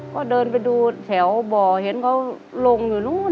ก็เดินไปดูแถวบ่อเห็นเขาลงอยู่นู้น